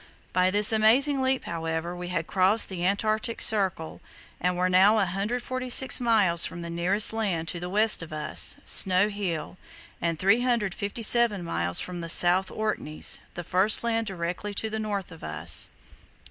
By this amazing leap, however, we had crossed the Antarctic Circle, and were now 146 miles from the nearest land to the west of us—Snow Hill—and 357 miles from the South Orkneys, the first land directly to the north of us.